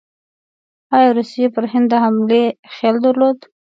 ایا روسیې پر هند د حملې خیال درلود؟